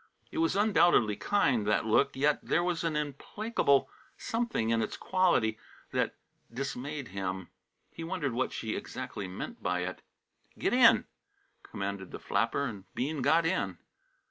It was undoubtedly kind, that look, yet there was an implacable something in its quality that dismayed him. He wondered what she exactly meant by it. "Get in," commanded the flapper, and Bean got in.